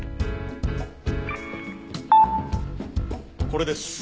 これです。